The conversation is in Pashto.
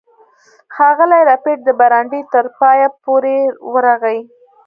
ښاغلی ربیټ د برنډې تر پایه پورې ورغی